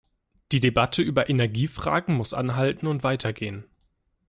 Die Debatte über Energiefragen muss anhalten und weitergehen.